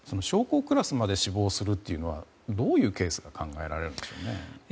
将校クラスまで死亡するというのはどういうケースが考えられるでしょうね。